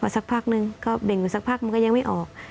สักพักนึงก็เบ่งอยู่สักพักมันก็ยังไม่ออก